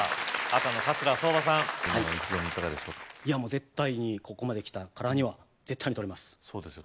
絶対にここまで来たからには絶対に取りますそうですよ